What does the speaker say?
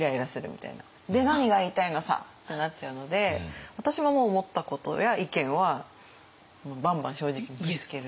で何が言いたいのさ！」ってなっちゃうので私ももう思ったことや意見はバンバン正直にぶつける。